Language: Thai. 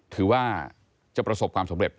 ถือว่าจะประสบความสำเร็จ